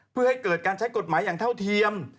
เพื่อให้เกิดการใช้กฎหมายอย่างเท่าเทียม